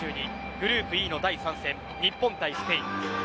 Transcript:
グループＥの第３戦日本対スペイン。